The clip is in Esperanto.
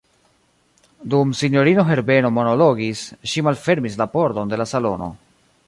Dum sinjorino Herbeno monologis, ŝi malfermis la pordon de la salono.